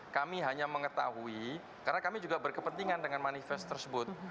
kami hanya mengetahui karena kami juga berkepentingan dengan manifest tersebut